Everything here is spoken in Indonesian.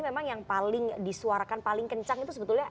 memang yang paling disuarakan paling kencang itu sebetulnya